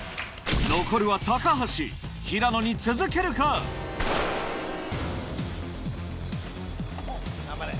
残るは橋平野に続けるか⁉頑張れ！